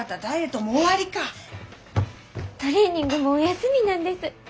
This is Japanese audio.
トレーニングもお休みなんです！